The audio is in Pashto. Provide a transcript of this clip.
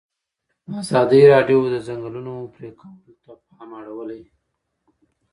ازادي راډیو د د ځنګلونو پرېکول ته پام اړولی.